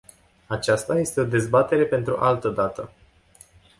Aceasta este o dezbatere pentru altă dată.